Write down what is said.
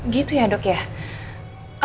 gitu ya dok ya